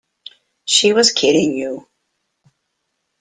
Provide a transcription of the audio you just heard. She was kidding you.